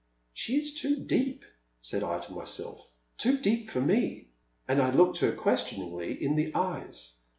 She is too deep,'* said I to myself— too deep forme, and I looked her questioningly in the eyes.